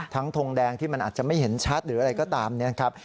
ทงแดงที่มันอาจจะไม่เห็นชัดหรืออะไรก็ตามนะครับ